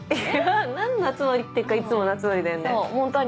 何の集まりっていうかいつもの集まりだよね。